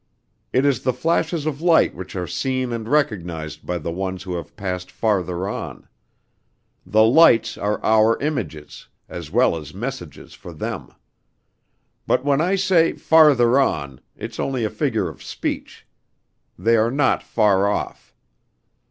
It is the flashes of light which are seen and recognized by the ones who have passed farther on. The lights are our images, as well as messages for them. But when I say 'farther on,' it's only a figure of speech. They are not far off.